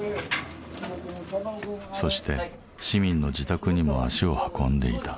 そして市民の自宅にも足を運んでいた。